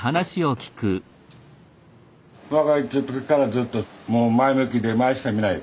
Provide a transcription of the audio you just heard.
若い時からずっと前向きで前しか見ない。